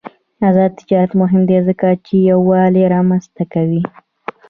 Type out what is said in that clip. آزاد تجارت مهم دی ځکه چې یووالي رامنځته کوي.